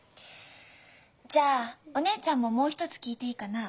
じゃあおねえちゃんももう一つ聞いていいかな？